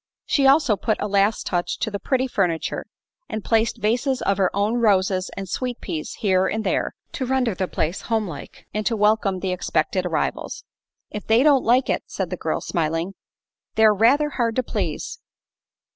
She also put a last touch to the pretty furniture and placed vases of her own roses and sweet peas here and there, to render the place homelike and to welcome the expected arrivals. "If they don't like it," said the girl, smiling, "they're rather hard to please."